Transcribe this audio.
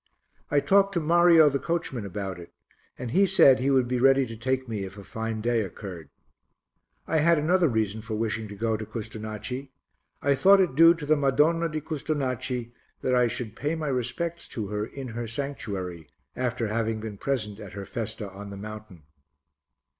I talked to Mario, the coachman, about it, and he said he would be ready to take me if a fine day occurred. I had another reason for wishing to go to Custonaci: I thought it due to the Madonna di Custonaci that I should pay my respects to her in her sanctuary after having been present at her festa on the mountain.